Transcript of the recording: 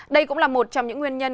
đây cũng là một trong những nguyên nhân